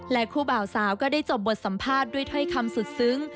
คู่บ่าวสาวก็ได้จบบทสัมภาษณ์ด้วยถ้อยคำสุดซึ้ง